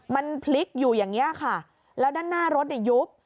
มันพลิกอยู่อย่างนี้ค่ะแล้วด้านหน้ารถเนี่ยยุบ